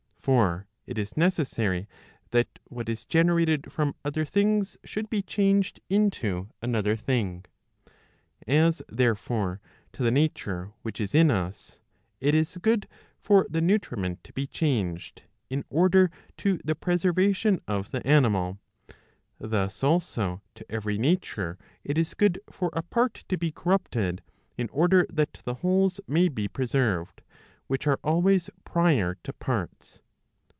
For it is neces¬ sary that what is generated from other things, should be changed into another thing. As therefore, to the nature which is in us, it is good for the nutriment to be changed, in order to the preservation of the animal; thus also to every nature it is good for a part to be corrupted, in order that the wholes may be preserved, which are always prior to parts.